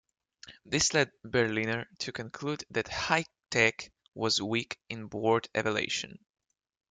This led Berliner to conclude that HiTech was weak in board evaluation.